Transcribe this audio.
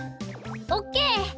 オッケー！